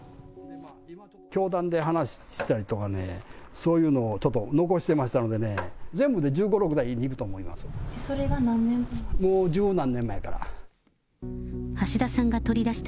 教団で話したりとかね、そういうのをちょっと残してましたのでね、全部で１５、６台あると思います。